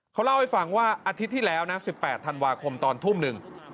เขาเล่าให้ฟังว่าอาทิตย์ที่แล้วนะ๑๘ธันวาคมตอนทุ่มหนึ่ง